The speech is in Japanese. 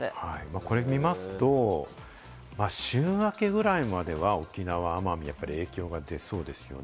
これを見ますと、週明けぐらいまでは沖縄に影響がでそうですよね。